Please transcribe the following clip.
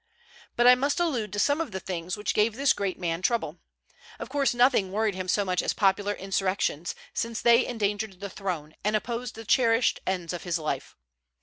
But I must allude to some of the things which gave this great man trouble. Of course nothing worried him so much as popular insurrections, since they endangered the throne, and opposed the cherished ends of his life.